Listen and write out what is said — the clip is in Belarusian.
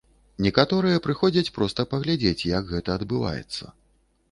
Некаторыя прыходзяць проста паглядзець, як гэта адбываецца.